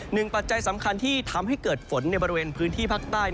ปัจจัยสำคัญที่ทำให้เกิดฝนในบริเวณพื้นที่ภาคใต้